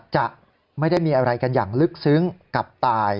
จะไม่ได้มีอะไรกันอย่างลึกซึ้งกับตาย